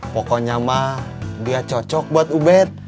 pokoknya mah dia cocok buat ubed